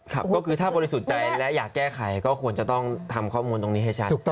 ครับก็คือถ้าบริสุทธิ์ใจและอยากแก้ไขก็ควรจะต้องทำข้อมูลตรงนี้ให้ชัด